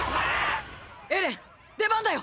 エレン出番だよ！！